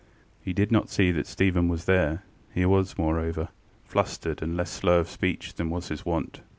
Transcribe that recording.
He did not see that Stephen was there: he was, moreover, flustered and less slow of speech than was his wont.